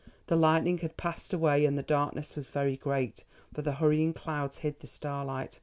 The lightning had passed away and the darkness was very great, for the hurrying clouds hid the starlight.